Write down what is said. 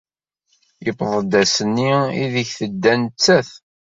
Yuweḍ-d ass-nni aydeg tedda nettat.